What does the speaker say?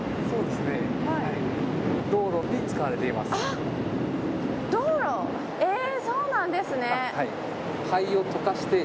そうなんですね。